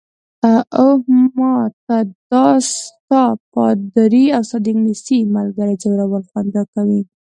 اوه، ما ته ستا، پادري او ستا د انګلیسۍ ملګرې ځورول خوند راکوي.